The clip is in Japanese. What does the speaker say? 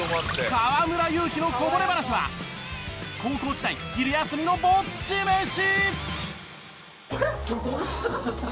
河村勇輝のこぼれ話は高校時代昼休みのぼっち飯！